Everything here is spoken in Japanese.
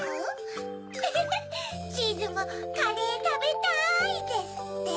フフフチーズも「カレーたべたい」ですって。